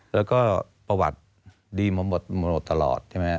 แล้วก็ประวัติดีมาหมดตลอด